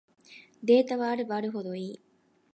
データはあればあるほどいい